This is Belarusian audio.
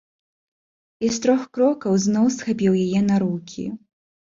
І з трох крокаў зноў схапіў яе на рукі.